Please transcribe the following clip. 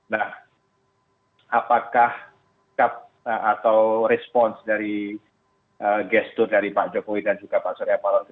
nah apakah cup atau respons dari gestur dari pak jokowi dan juga pak surya paloh itu